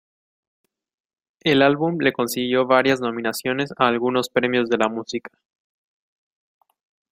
El álbum le consiguió varias nominaciones a algunos premios de la música.